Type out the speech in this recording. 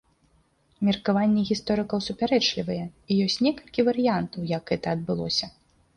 Меркаванні гісторыкаў супярэчлівыя і ёсць некалькі варыянтаў як гэта адбылося.